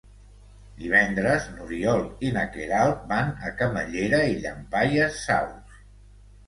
Divendres n'Oriol i na Queralt van a Camallera i Llampaies Saus.